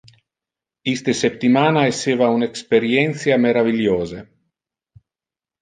Iste septimana esseva un experientia meraviliose.